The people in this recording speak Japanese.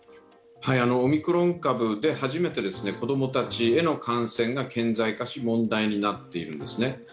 オミクロン株で初めて子供たちへの感染が顕在化し問題になっているんですね。